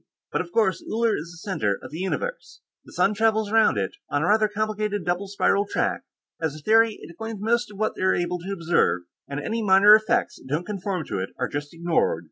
But, of course, Uller is the center of the universe; the sun travels around it, on a rather complicated double spiral track. As a theory, it explains most of what they're able to observe, and any minor effects that don't conform to it are just ignored.